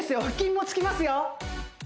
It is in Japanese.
腹筋もつきますよ